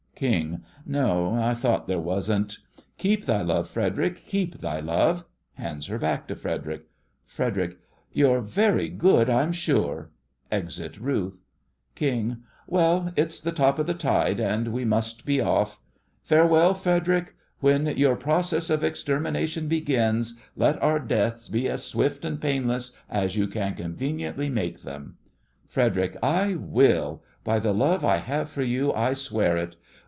KING: No, I thought there wasn't. Keep thy love, Frederic, keep thy love. (Hands her back to FREDERIC) FREDERIC: You're very good, I'm sure. (Exit RUTH) KING: Well, it's the top of the tide, and we must be off. Farewell, Frederic. When your process of extermination begins, let our deaths be as swift and painless as you can conveniently make them. FREDERIC: I will! By the love I have for you, I swear it!